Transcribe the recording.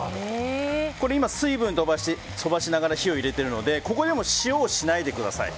今、水分を飛ばしながら火を入れてるのでここでも塩をしないでください。